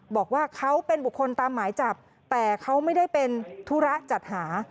บอกว่าเขาเป็นบุคคลตามหมายจับแต่เขาไม่ได้เป็นธุระจัดหา